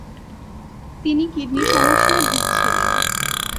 তিনি কিডনি সমস্যায় ভুগছিলেন।